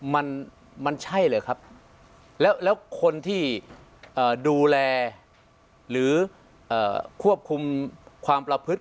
มันมันใช่เหรอครับแล้วคนที่ดูแลหรือควบคุมความประพฤติ